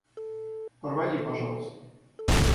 Проводи, пожалуйста.